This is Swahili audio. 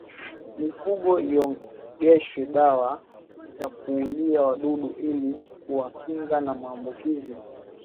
Mifugo iogeshwe dawa ya kuulia wadudu ili kuwakinga na maambukizi